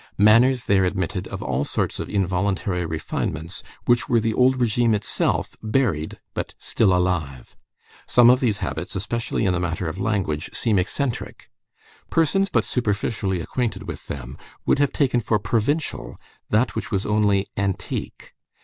Manners there admitted of all sorts of involuntary refinements which were the old régime itself, buried but still alive. Some of these habits, especially in the matter of language, seem eccentric. Persons but superficially acquainted with them would have taken for provincial that which was only antique.